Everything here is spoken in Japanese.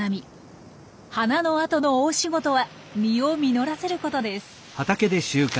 花の後の大仕事は実を実らせることです。